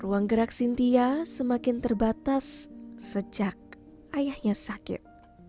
ruang gerak sintia semakin terbatas sejak ayahnya sakit